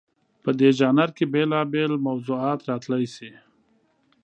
په دې ژانر کې بېلابېل موضوعات راتلی شي.